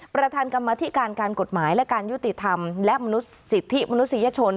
ประธานกรรมธิการการกฎหมายและการยุติธรรมและสิทธิมนุษยชน